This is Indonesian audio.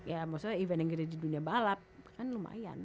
ya maksudnya event yang gede di dunia balap kan lumayan